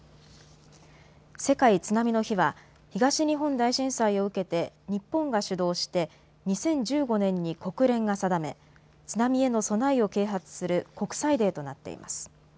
世界津波の日は東日本大震災を受けて日本が主導して２０１５年に国連が定め津波への備えを啓発する国際デーとなっています。